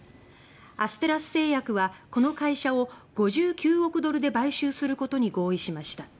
アステラス製薬はこの会社を５９億ドルで買収することに合意しました。